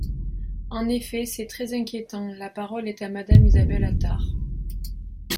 En effet, c’est très inquiétant ! La parole est à Madame Isabelle Attard.